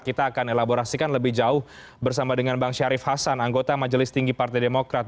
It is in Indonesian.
kita akan elaborasikan lebih jauh bersama dengan bang syarif hasan anggota majelis tinggi partai demokrat